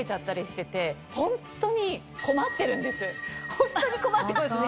ホントに困ってますね。